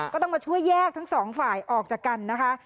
ก็ต้องมาช่วยแยกทั้งสองฝ่ายออกจากกันนะคะ